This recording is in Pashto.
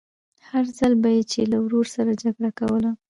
هر ځل به يې چې له ورور سره جګړه کوله.